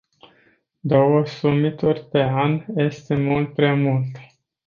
Două summituri pe an este mult prea mult.